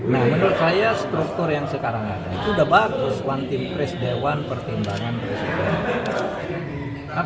nah menurut saya struktur yang sekarang ada itu sudah bagus one team press dewan pertimbangan presiden